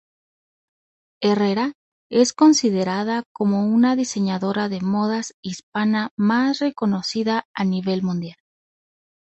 Herrera es considerada como la diseñadora de modas hispana más reconocida a nivel mundial.